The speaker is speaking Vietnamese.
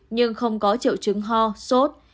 nhưng không có triệu chứng ho sốt